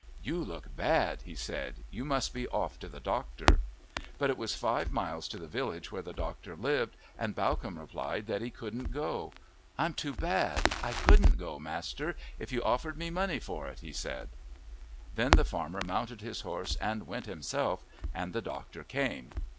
"You look bad," he said; "you must be off to the doctor." But it was five miles to the village where the doctor lived, and Bawcombe replied that he couldn't go. "I'm too bad I couldn't go, master, if you offered me money for it," he said. Then the farmer mounted his horse and went himself, and the doctor came.